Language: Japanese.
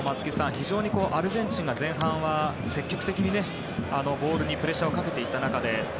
非常にアルゼンチンが前半は積極的にボールにプレッシャーをかけていった中で。